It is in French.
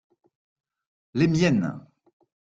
Les miennes.